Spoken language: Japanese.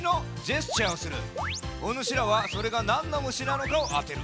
おぬしらはそれがなんの虫なのかをあてる。